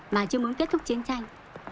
mà chưa muốn kết thúc chiến tranh